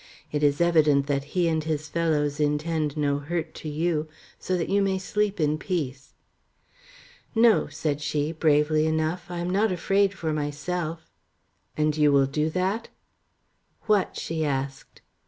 It is evident that he and his fellows intend no hurt to you, so that you may sleep in peace." "No," said she, bravely enough. "I am not afraid for myself." "And you will do that?" "What?" she asked.